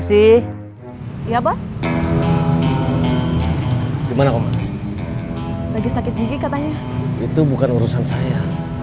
sampai jumpa di video selanjutnya